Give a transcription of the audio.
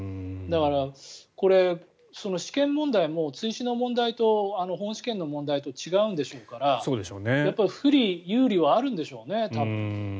だから、これ試験問題も追試の問題と本試験の問題と違うでしょうから不利、有利はあるんでしょうね多分。